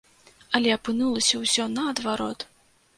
Але апынулася ўсё наадварот!